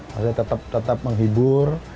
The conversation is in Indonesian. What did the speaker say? pastinya tetap tetap menghibur